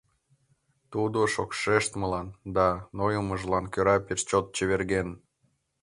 Тудо шокшештмылан да нойымыжлан кӧра пеш чот чеверген.